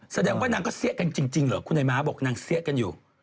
แสดงว่านางก็เสี้ยกันจริงเหรอคุณไอ้ม้าบอกนางเสี้ยกันอยู่